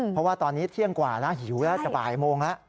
เพราะว่าตอนนี้เที่ยงกว่าแล้วหิวแล้วจะบ่ายโมงแล้ว